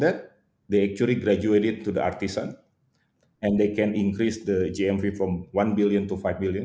mereka sebenarnya membesar kepada artisan dan mereka dapat meningkatkan jaminan dari satu jutaan hingga lima jutaan dan kemudian